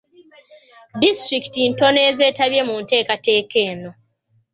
Disitulikiti ntono ez'etabye mu nteekateeka eno.